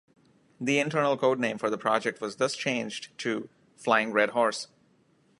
The internal codename for the project was thus changed to "Flying Red Horse".